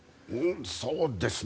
そうですね。